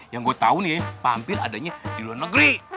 yang gua tahu nih vampir adanya di luar negeri